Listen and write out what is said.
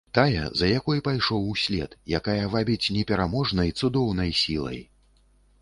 Тая, за якой пайшоў услед, якая вабіць непераможнай, цудоўнай сілай.